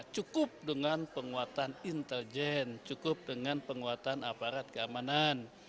cukup dengan penguatan intelijen cukup dengan penguatan aparat keamanan